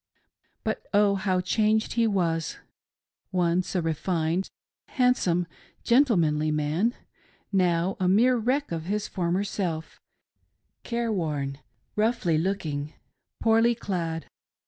But, oh, how changed he was ! Once a refined, handsome, gentlemanly man ; now a mere wreck of his former self ^ careworn, rough looking, poorly clad.